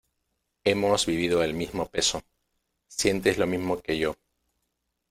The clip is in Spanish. hemos vivido el mismo peso, sientes lo mismo que yo.